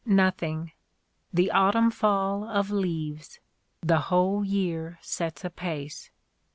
... Nothing : the Autumn fall of leaves. The whole year sets apace).